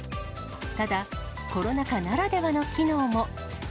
ただ、コロナ禍ならではの機能も。